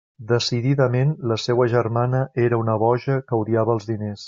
Decididament la seua germana era una boja que odiava els diners.